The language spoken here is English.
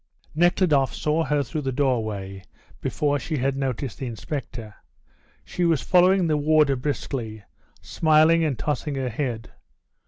Nekhludoff saw her through the doorway before she had noticed the inspector. She was following the warder briskly, smiling and tossing her head.